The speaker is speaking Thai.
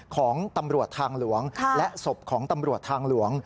ของตำรวจทางหลวงและศพของตำรวจทางหลวง